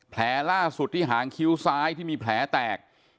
แผลล่าสุดที่หางคิ้วซ้ายที่มีแผลแตก